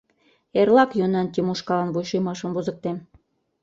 Эрлак Йонан Тимошкалан вуйшиймашым возыктем!